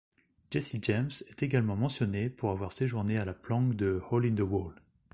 Jesse James est également mentionné pour avoir séjourné à la planque de Hole-in-the-Wall.